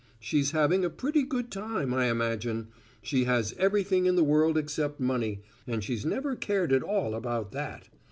She's having a pretty good time, I imagine: she has everything in the world except money, and she's never cared at all about that.